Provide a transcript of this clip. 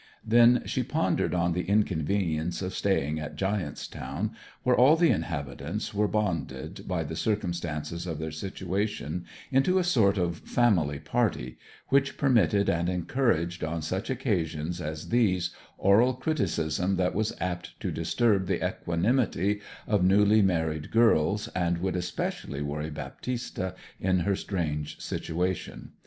Then she pondered on the inconvenience of staying at Giant's Town, where all the inhabitants were bonded, by the circumstances of their situation, into a sort of family party, which permitted and encouraged on such occasions as these oral criticism that was apt to disturb the equanimity of newly married girls, and would especially worry Baptista in her strange situation.